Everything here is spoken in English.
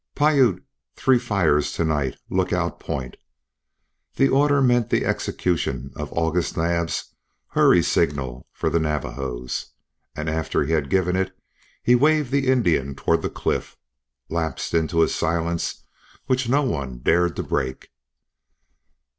"Piute three fires to night Lookout Point!" This order meant the execution of August Naab's hurry signal for the Navajos, and after he had given it, he waved the Indian toward the cliff, and lapsed into a silence which no one dared to break.